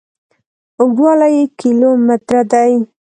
اوږدوالي یې کیلو متره دي.